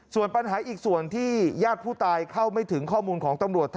ส่วนปัญหาอีกส่วนที่ญาติผู้ตายเข้าไม่ถึงข้อมูลของตำรวจ